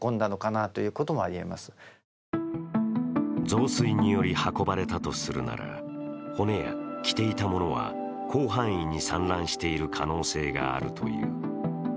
増水により運ばれたとするなら骨や着ていたものは広範囲に散乱している可能性があるという。